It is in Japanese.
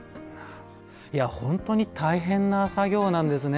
本当に大変な作業なんですね。